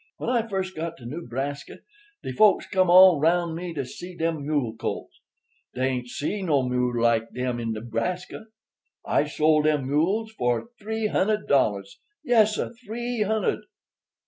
When I first got to Newbraska, dey folks come all roun' me to see dem mule colts. Dey ain't see no mules like dem in Newbraska. I sold dem mules for three hundred dollars. Yessir—three hundred.